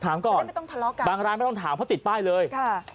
ถามก่อนบางร้านไม่ต้องถามเพราะติดป้ายเลยค่ะ